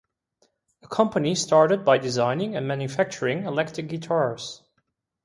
The company started by designing and manufacturing electronic guitars.